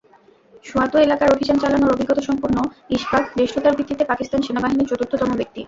সোয়াত এলাকার অভিযান চালানোর অভিজ্ঞতাসম্পন্ন ইশফাক জ্যেষ্ঠতার ভিত্তিতে পাকিস্তান সেনাবাহিনীর চতুর্থতম ব্যক্তি।